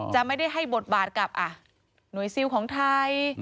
จะไม่ได้ให้บทบาทกับหน่วยซิลของไทย